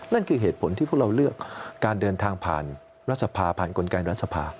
นั่นคือเหตุผลที่พวกเราเลือกการเดินทางผ่านรัฐสภาผ่านกลไกรัฐสภา